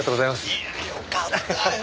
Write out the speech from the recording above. いやよかったよ。